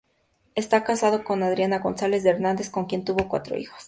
Está casado con Adriana González de Hernández, con quien tuvo cuatro hijos.